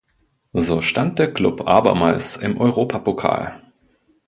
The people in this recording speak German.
So stand der Klub abermals im Europapokal.